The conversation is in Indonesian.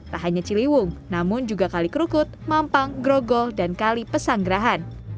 tak hanya ciliwung namun juga kali kerukut mampang grogol dan kali pesanggerahan